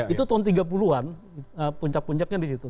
itu tahun seribu sembilan ratus tiga puluh an puncak puncaknya disitu